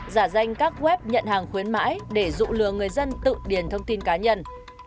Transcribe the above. một giả danh các web nhận hàng khuyến mãi để dụ lừa người dân tự điền thông tin cá nhân